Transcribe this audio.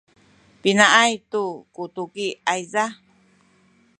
pinaay tu ku tuki ayza?